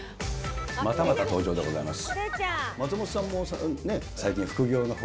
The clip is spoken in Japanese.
またまた登場でございます。